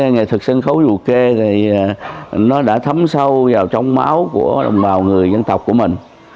nghệ thuật sân khấu du ke đã thấm sâu vào trong máu của đồng bào người dân tộc của mình